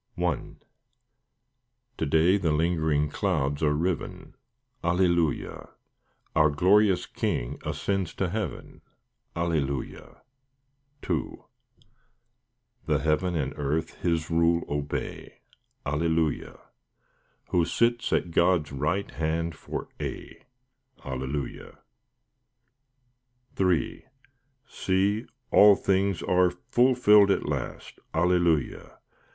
I To day the lingering clouds are riven, Alleluia! Our glorious King ascends to heaven, Alleluia! II The heaven and earth His rule obey, Alleluia! Who sits at God's right hand for aye, Alleluia! III See, all things are fulfilled at last, Alleluia!